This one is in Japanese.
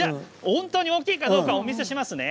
本当に大きいかどうかお見せしますね。